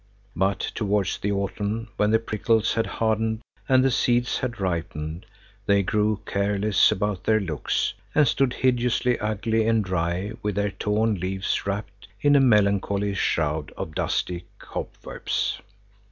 But towards the autumn, when the prickles had hardened and the seeds had ripened, they grew careless about their looks, and stood hideously ugly and dry with their torn leaves wrapped in a melancholy shroud of dusty cobwebs.